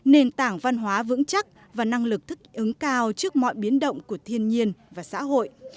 nền tảng văn hóa vững chắc và năng lực thức ứng cao trước mọi biến động của thiên nhiên và xã hội